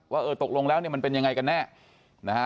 เออตกลงแล้วเนี่ยมันเป็นยังไงกันแน่นะฮะ